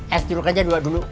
es jeruk aja dulu wak